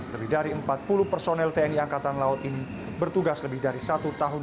lebih dari empat puluh personel tni angkatan laut ini bertugas lebih dari satu tahun